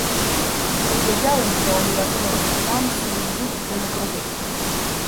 Powiedziałem to obywatelom Francji w duchu demokratycznym